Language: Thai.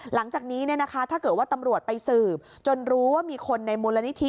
หลังจากนี้ถ้าเกิดว่าตำรวจไปสืบจนรู้ว่ามีคนในมูลนิธิ